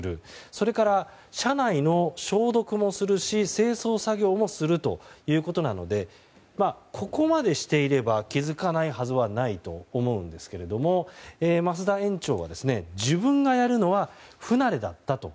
それから、車内の消毒もするし清掃作業もするということなのでここまでしていれば気づかないはずはないと思うんですけども増田園長は自分がやるのは不慣れだったと。